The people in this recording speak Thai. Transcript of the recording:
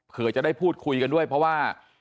จะได้พูดคุยกันด้วยเพราะว่า